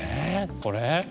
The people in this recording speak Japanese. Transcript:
これ？